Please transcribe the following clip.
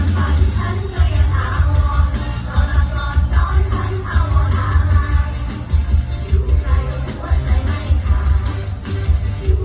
ถ้าคุณอยากมานอนอย่าควรเวรก่อนได้เวรที่ใคร